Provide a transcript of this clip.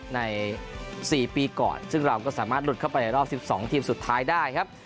ใน๔ปีก่อนซึ่งเราก็สามารถหลุดเข้าไปในรอบ๑๒ทีมสุดท้ายได้ครับ